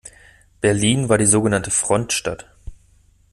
Berlin war die sogenannte Frontstadt.